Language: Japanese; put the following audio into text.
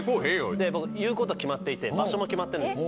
で僕言うことは決まっていて場所も決まってるんです。